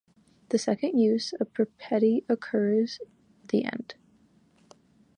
The second use of peripety occurs near the end.